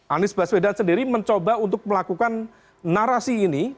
anies baswedan sendiri mencoba untuk melakukan narasi ini